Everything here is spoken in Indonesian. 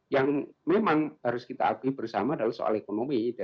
yang memang harus kita akui bersama adalah soal ekonomi